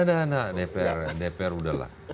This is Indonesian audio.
nah nah nah dpr udah lah